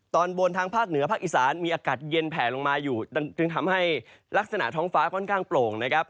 ตอนบนทางภาคเหนือภาคอีสานมีอากาศเย็นแผลลงมาอยู่จึงทำให้ลักษณะท้องฟ้าค่อนข้างโปร่งนะครับ